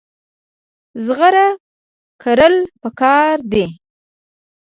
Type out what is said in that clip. زغر کرل پکار دي.